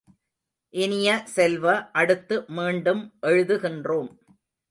இனிய செல்வ, அடுத்து மீண்டும் எழுதுகின்றோம்.